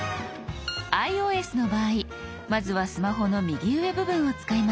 ｉＯＳの場合まずはスマホの右上部分を使います。